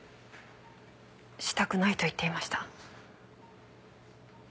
したくないと言っていました。